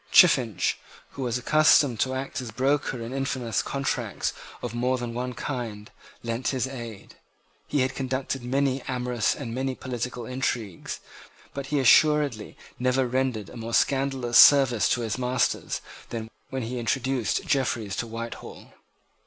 Chiffinch, who was accustomed to act as broker in infamous contracts of more than one kind, lent his aid. He had conducted many amorous and many political intrigues; but he assuredly never rendered a more scandalous service to his masters than when he introduced Jeffreys to Whitehall.